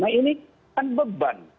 nah ini kan beban